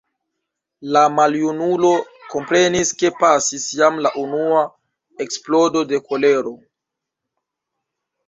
La maljunulo komprenis, ke pasis jam la unua eksplodo de kolero.